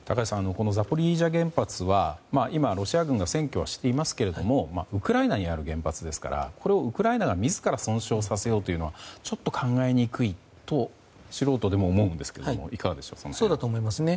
このザポリージャ原発はロシア軍が占拠はしていますけれどもウクライナにある原発ですからこれをウクライナが自ら損傷させようというのはちょっと考えにくいと素人でも思うんですけどもそうだと思いますね。